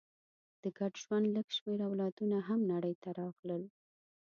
د ګډ ژوند لږ شمېر اولادونه هم نړۍ ته راغلل.